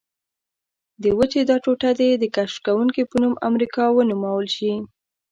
د وچې دا ټوټه دې د کشف کوونکي په نوم امریکا ونومول شي.